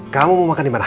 kamu mau makan dimana